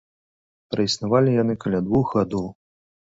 Праіснавалі яны каля двух гадоў.